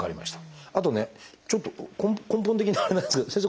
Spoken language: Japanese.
あとねちょっと根本的にあれなんですけど先生。